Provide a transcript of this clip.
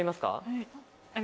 はい。